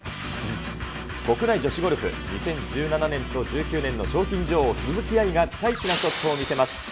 国内女子ゴルフ、２０１７年と１９年の賞金女王、鈴木愛がピカイチなショットを見せます。